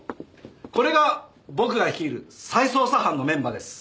これが僕が率いる再捜査班のメンバーです。